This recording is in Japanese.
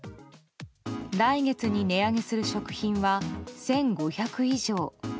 来月に値上げする食品は１５００以上。